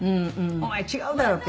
「お前違うだろ」って。